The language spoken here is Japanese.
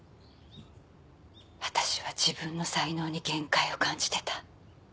私は自分の才能に限界を感じてた。